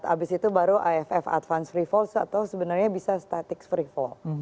abis itu baru aff advanced free fall atau sebenarnya bisa static free fall